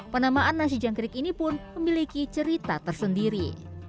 penamaan nasi jangkrik ini pun memiliki cerita tersendiri